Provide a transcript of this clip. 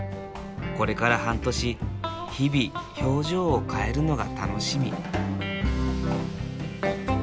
これから半年日々表情を変えるのが楽しみ。